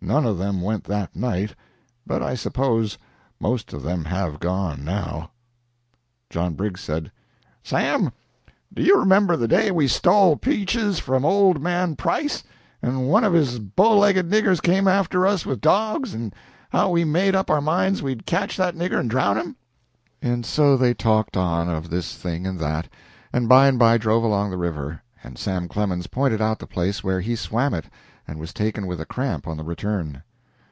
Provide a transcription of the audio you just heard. None of them went that night, but I suppose most of them have gone now." John Briggs said, "Sam, do you remember the day we stole peaches from old man Price, and one of his bow legged niggers came after us with dogs, and how we made up our minds we'd catch that nigger and drown him?" And so they talked on of this thing and that, and by and by drove along the river, and Sam Clemens pointed out the place where he swam it and was taken with a cramp on the return.